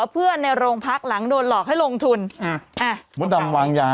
เดี๋ยว